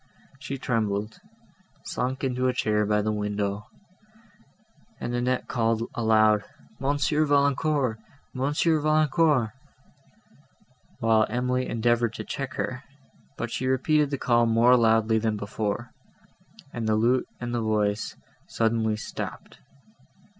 She trembled, sunk into a chair by the window, and Annette called aloud, "Monsieur Valancourt! Monsieur Valancourt!" while Emily endeavoured to check her, but she repeated the call more loudly than before, and the lute and the voice suddenly stopped.